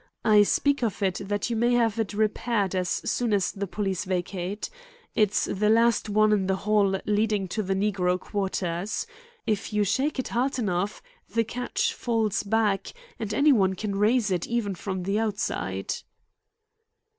I speak of it that you may have it repaired as soon as the police vacate. It's the last one in the hall leading to the negro quarters. If you shake it hard enough, the catch falls back and any one can raise it even from the outside."